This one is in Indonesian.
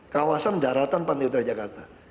kawasan daratan pantai utara jakarta